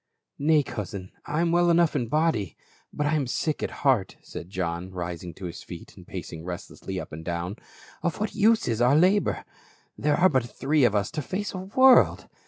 " Nay, cousin, I am well enough in bod\', but I am A LIGHT OF THE GENTILES. 283 sick at heart," said John, rising to his feet and pacing restlessly up and down. " Of what use is our labor? There are but three of us to face a world.